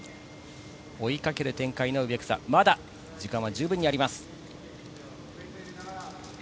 追いかける展開の植草、まだ時間は十分あります。